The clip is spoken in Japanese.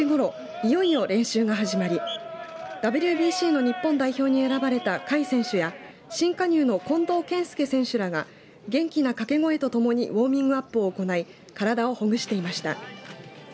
いよいよ練習が始まりＷＢＣの日本代表に選ばれた甲斐選手や新加入の近藤健介選手らが元気な掛け声とともにウォーミングアップを行い体をほぐしていました。